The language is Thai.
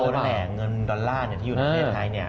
ก็คือฟันโทรนั่นแหละเงินดัลล่าที่อยู่ในเทพธรรมไทย